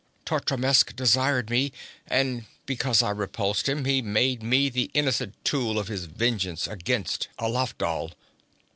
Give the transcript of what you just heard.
Totrasmek desired me, and because I repulsed him, he made me the innocent tool of his vengeance against Alafdhal.